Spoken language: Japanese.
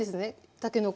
たけのこは。